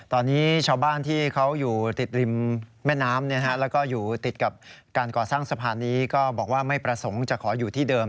ตอนนี้ชาวบ้านที่เขาอยู่ติดริมแม่น้ำแล้วก็อยู่ติดกับการก่อสร้างสะพานนี้ก็บอกว่าไม่ประสงค์จะขออยู่ที่เดิม